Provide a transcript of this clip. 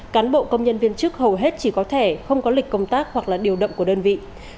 cán bộ công nhân viên chức hầu hết chỉ có thẻ không có lịch công tác hoặc là điều động của đơn vị